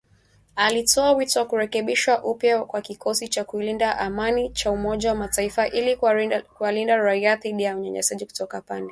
alitoa wito wa kurekebishwa upya kwa kikosi cha kulinda amani cha Umoja wa Mataifa ili kuwalinda raia dhidi ya unyanyasaji kutoka pande zote katika mzozo